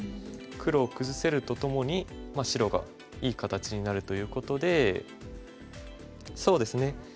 黒を崩せるとともに白がいい形になるということでそうですね